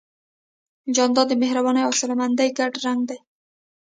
جانداد د مهربانۍ او حوصلهمندۍ ګډ رنګ دی.